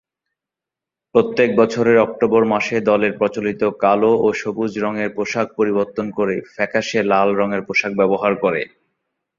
প্রত্যেক বছরের অক্টোবর মাসে দলের প্রচলিত কালো ও সবুজ রঙের পোশাক পরিবর্তন করে ফ্যাকাশে লাল রঙের পোশাক ব্যবহার করে।